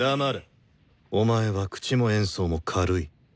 お前は口も演奏も軽い。